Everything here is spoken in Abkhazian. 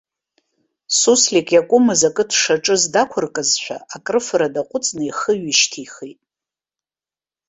Суслик, иакәымыз акы дшаҿыз дақәыркызшәа, акрыфара даҟәыҵны ихы ҩышьҭихит.